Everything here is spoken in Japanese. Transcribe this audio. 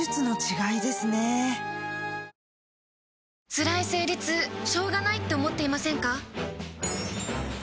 つらい生理痛しょうがないって思っていませんか？